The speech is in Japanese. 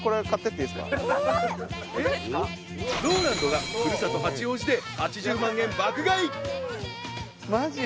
ＲＯＬＡＮＤが故郷・八王子で８０万円爆買い！